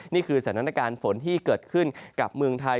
นี่คือสถานการณ์ฝนที่เกิดขึ้นกับเมืองไทย